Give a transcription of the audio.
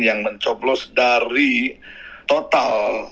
yang mencoplos dari total